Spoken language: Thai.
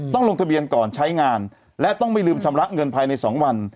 ต้องลงทะเบียนก่อนใช้งานและต้องไม่ลืมชำระเงินภายใน๒วัน